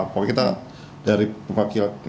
pokoknya kita dari mewakili pihak keluarga